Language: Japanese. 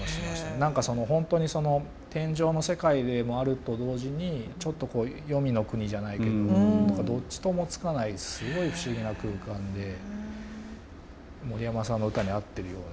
何かその本当に天上の世界でもあると同時にちょっと黄泉の国じゃないけどどっちともつかないすごい不思議な空間で森山さんの歌に合ってるような。